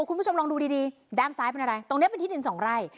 คุณผู้ชมลองดูดีด้านซ้ายเป็นอะไรตรงนี้เป็นที่ดินสองไร่